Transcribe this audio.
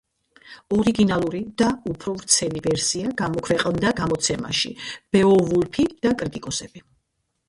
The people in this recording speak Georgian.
ორიგინალური და უფრო ვრცელი ვერსია გამოქვეყნდა გამოცემაში „ბეოვულფი და კრიტიკოსები“.